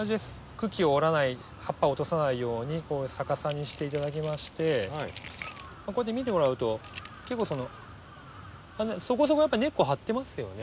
茎を折らない葉っぱを落とさないようにこう逆さにして頂きましてこうやって見てもらうと結構そのそこそこやっぱ根っこ張ってますよね。